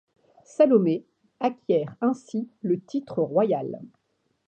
Salomé acquiert ainsi le titre royal.